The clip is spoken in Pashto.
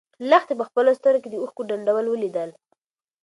لښتې په خپلو سترګو کې د اوښکو ډنډول ولیدل.